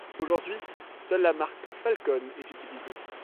Aujourd'hui seule la marque Falcon est utilisée.